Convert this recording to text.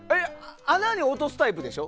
穴に落とすタイプでしょ？